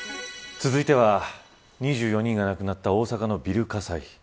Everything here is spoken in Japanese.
続いては２４人が亡くなった大阪のビル火災。